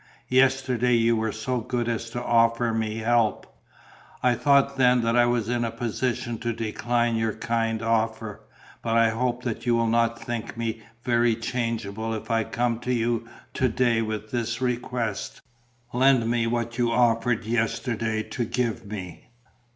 Yesterday you were so good as to offer me help. I thought then that I was in a position to decline your kind offer. But I hope that you will not think me very changeable if I come to you to day with this request: lend me what you offered yesterday to give me.